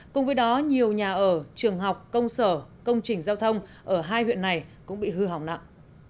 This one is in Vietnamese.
cùng với đó nhiều nhà ở trường học công sở công trình giao thông ở hai huyện này cũng bị hư hỏng nặng